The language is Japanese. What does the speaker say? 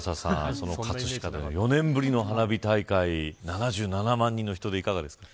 その葛飾で４年ぶりの花火大会７７万人の人出、いかがですか。